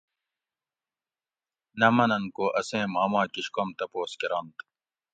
نہ مننت کو اسیں ماما کیش کوم تپوس کرنت